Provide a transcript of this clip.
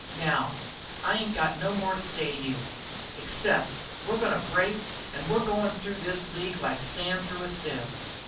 Now, I ain't got no more to say to you, except we're goin' to brace an' we're goin' through this league like sand through a sieve!"